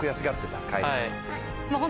はい。